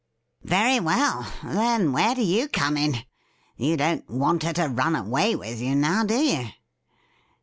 ' Very well. Then, where do you come in ? You don't want her to run away with you, now, do you